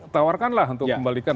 tawarkanlah untuk kembalikan